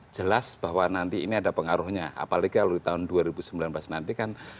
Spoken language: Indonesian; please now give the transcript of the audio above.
jelas bahwa nanti ini ada pengaruhnya apalagi kalau di tahun dua ribu sembilan belas nanti kan